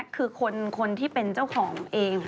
คือคนที่เป็นเจ้าของเอง